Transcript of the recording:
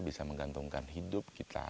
bisa menggantungkan hidup kita